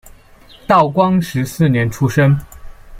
道光十四年出生。